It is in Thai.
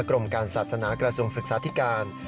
กรมการศาสนากระทรวงศึกษาธิการ